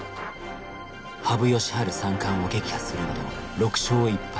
羽生善治三冠を撃破するなど６勝１敗。